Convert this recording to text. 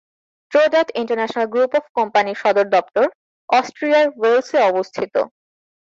Trodat International Group of কোম্পানির সদর দপ্তর অস্ট্রিয়ার ওয়েলসে অবস্থিত।